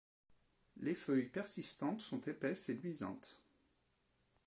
Les feuilles persistantes sont épaisses et luisantes.